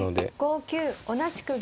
５九同じく銀。